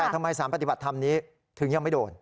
แต่ทำไมสารปฏิบัติธรรมนี้ถึงยังไม่โดน